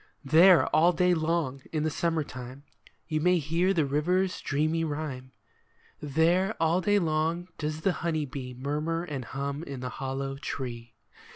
There all day long, in the summer time, You may hear the river's dreamy rhyme ; There all day long does the honey bee Murmur and hum in the hollow tree.